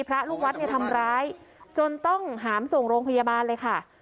พระลูกวัดเนี่ยทำร้ายจนต้องหามส่งโรงพยาบาลเลยค่ะ